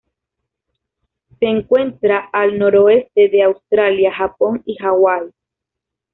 Se encuentra al noroeste de Australia, Japón y Hawaii.